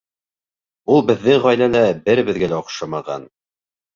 Ул беҙҙең ғаиләлә беребеҙгә лә оҡшамаған.